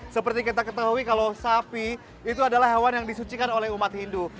seperti kita ketahui kalau sapi itu adalah hewan yang disucikan oleh umat hindu